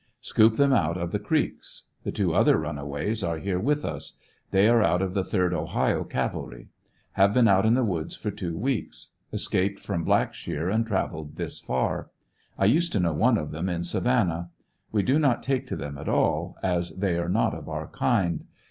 Scoop them out of the creeks. The two other runaways are here with us. They are out of the 8d Ohio Cavalry. Have been out in the woods for two weeks. Escaped from Blackshear and traveled this far. I used to know one of them in Savannah. We do not take to them at all, as they are not of our kind.